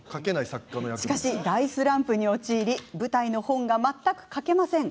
しかし、大スランプに陥り舞台の本が、全く書けません。